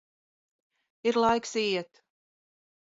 Ir laiks iet.